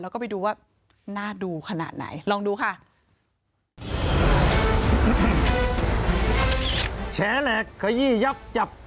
แล้วก็ไปดูว่าน่าดูขนาดไหนลองดูค่ะ